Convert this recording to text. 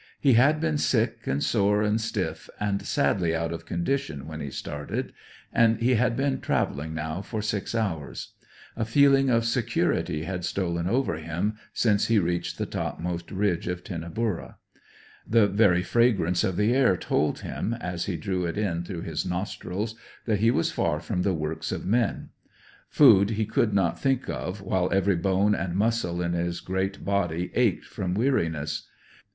He had been sick, and sore, and stiff, and sadly out of condition when he started; and he had been travelling now for six hours. A feeling of security had stolen over him since he reached the topmost ridge of Tinnaburra. The very fragrance of the air told him, as he drew it in through his nostrils, that he was far from the works of men. Food he could not think of while every bone and muscle in his great body ached from weariness.